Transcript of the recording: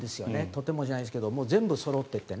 とてもじゃないですけど全部そろってて。